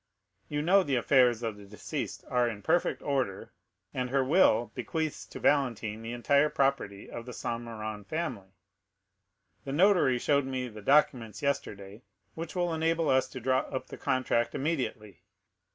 You know the affairs of the deceased are in perfect order, and her will bequeaths to Valentine the entire property of the Saint Méran family; the notary showed me the documents yesterday, which will enable us to draw up the contract immediately.